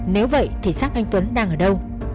nếu vậy thì sát anh tuấn đang ở đâu